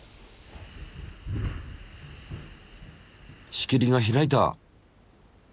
仕切りが開いた。